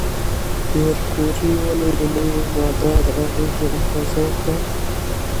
پېیر کوري ولې د نوې ماده د اغېزو اندازه وکړه؟